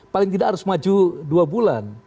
paling tidak harus maju dua bulan